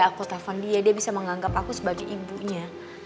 aku telpon dia dia bisa menganggap aku sebagai ibunya